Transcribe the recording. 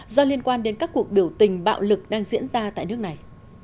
do liên quan đến các cuộc biểu tình bạo lực đang diễn ra tại nước này